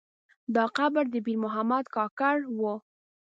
دا قبر د پیر محمد کاکړ و.